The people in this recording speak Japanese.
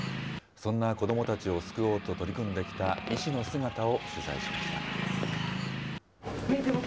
そんな子どもたちを救おうと取り組んできた医師の姿を取材しました。